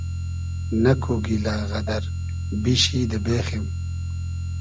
نئکو گیلۂ غئدئر بیشی دۂ بېخیم